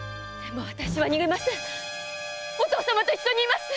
お父さまと一緒にいます！